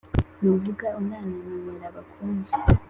Nuvuga unatontome bakumve